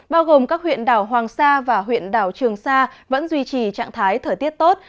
bao gồm các huyện đảo hoàng sa và huyện đảo trường sa vẫn duy trì trạng thái thời tiết tốt